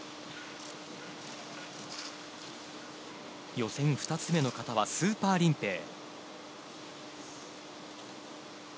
予選２つ目の形はスーパーリンペイ。